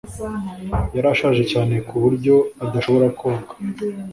yari ashaje cyane ku buryo adashobora koga